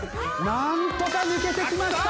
なんとか抜けてきました！